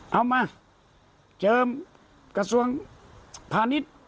เอามาเจอกระทรวงพาณิชย์